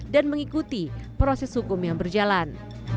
mengikuti proses hukum yang berjalan